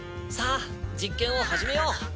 さあ実験を始めよう！